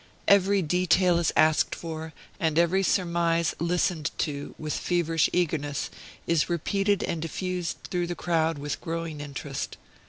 Every detail is asked for, and every surmise listened to, with feverish eagerness is repeated and diffused through the crowd with growing interest.